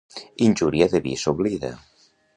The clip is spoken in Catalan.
Injúria de vi s'oblida.